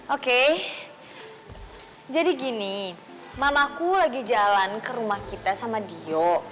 oke jadi gini mamaku lagi jalan ke rumah kita sama dio